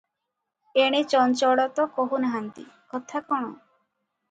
ଏଣେ ଚଞ୍ଚଳ ତ କହୁ ନାହାନ୍ତି, କଥା କଣ?